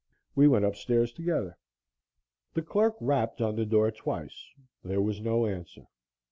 We went upstairs together. The clerk rapped on the door twice. There was no answer.